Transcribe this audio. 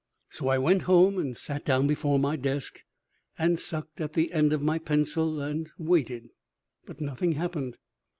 So I went home and sat down before my desk and sucked at the end of my pencil and waited, but nothing happened.